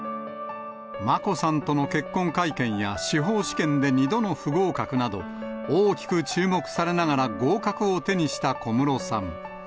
眞子さんとの結婚会見や司法試験で２度の不合格など、大きく注目されながら合格を手にした小室さん。